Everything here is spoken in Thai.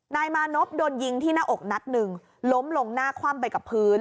นายมานพโดนยิงที่หน้าอกนัดหนึ่งล้มลงหน้าคว่ำไปกับพื้น